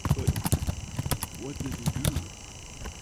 But what did he do?